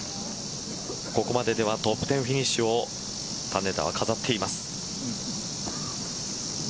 ここまでではトップ１０フィニッシュを種子田は飾っています。